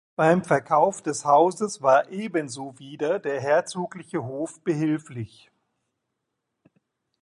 Beim Verkauf des Hauses war ebenso wieder der herzogliche Hof behilflich.